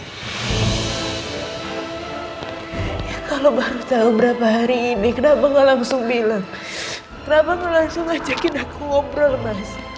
saya butuh waktu untuk mencoba